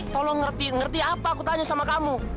tolong ngerti apa aku tanya sama kamu